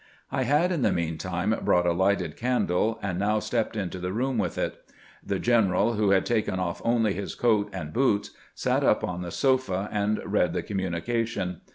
I had in the mean time brought a lighted candle, and now stepped into the room with it. The general, who had taken off only his coat and boots, sat up on the sofa and read the communication.